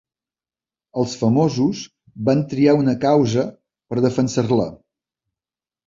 Els famosos van triar una causa, per defensar-la.